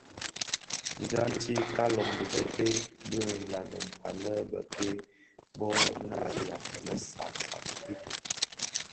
Djanti, Kaaloň dhi bëpeï bi nlanèn anèn bek-kè bō nariya lè saad a bokito.